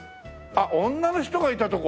あっ女の人がいたとこ！